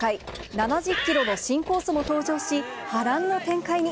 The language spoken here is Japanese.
７０キロの新コースも登場し、波乱の展開に。